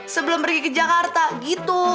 sebelum pergi ke jakarta gitu